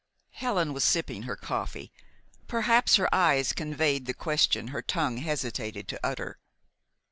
Helen was sipping her coffee. Perhaps her eyes conveyed the question her tongue hesitated to utter.